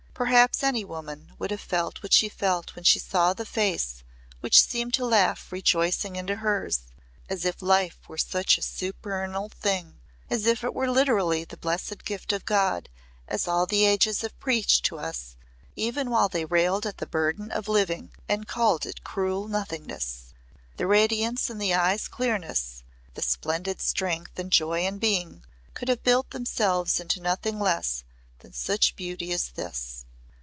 Perhaps any woman would have felt what she felt when she saw the face which seemed to laugh rejoicing into hers, as if Life were such a supernal thing as if it were literally the blessed gift of God as all the ages have preached to us even while they have railed at the burden of living and called it cruel nothingness. The radiance in the eyes' clearness, the splendid strength and joy in being, could have built themselves into nothing less than such beauty as this.